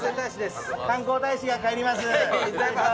観光大使が帰ります。